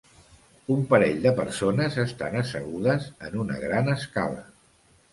Un parell de persones estan assegudes en una gran escala.